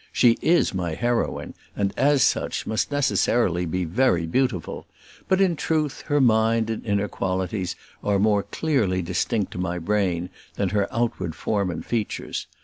She is my heroine, and, as such, must necessarily be very beautiful; but, in truth, her mind and inner qualities are more clearly distinct to my brain than her outward form and features.